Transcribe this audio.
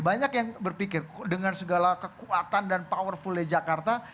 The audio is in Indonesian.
banyak yang berpikir dengan segala kekuatan dan powerfulnya jakarta